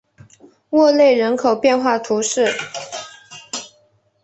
沃内人口变化图示